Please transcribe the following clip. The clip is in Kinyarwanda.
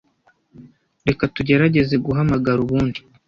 Reka tugerageze guhamagara ubundi.